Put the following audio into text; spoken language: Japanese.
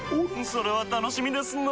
それは楽しみですなぁ。